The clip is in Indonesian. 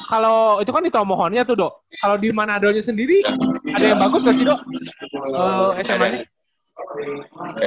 itu itu kan tomahorn nya tuh do kalau di manado nya sendiri ada yang bagus gak sih do sma nya